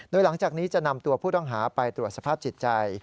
โดยหลังจากนี้จะนำตัวผู้ต้องหาไปตรวจสภาพจิตใจ